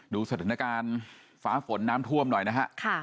ดูสถานการณ์ฟ้าฝนน้ำท่วมหน่อยนะฮะ